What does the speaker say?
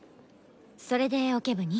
それでオケ部に？